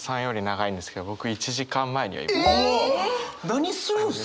何するんすか！？